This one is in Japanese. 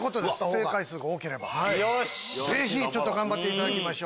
正解が多ければぜひ頑張っていただきましょう。